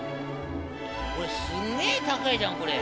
これすんげえ高いじゃん。